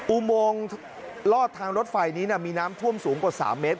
อุโมงลอดทางรถไฟนี้มีน้ำท่วมสูงกว่า๓เมตร